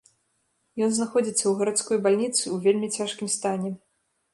Ён знаходзіцца ў гарадской бальніцы ў вельмі цяжкім стане.